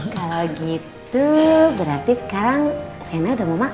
kalau gitu berarti sekarang aku bisa berbicara sama mama ya